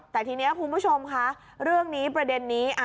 แต่ทีนี้คุณผู้ชมคะเรื่องนี้ประเด็นนี้